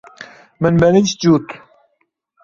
Min benîşt cût.